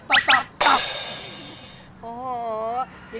ตับตับตับ